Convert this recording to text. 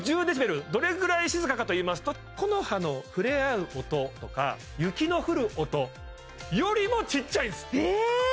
デシベルどれぐらい静かかといいますと木の葉の触れ合う音とか雪の降る音よりも小っちゃいんですへえ！